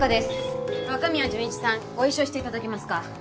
若宮潤一さんご一緒していただけますか？